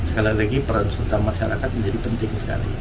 sekali lagi peran serta masyarakat menjadi penting sekali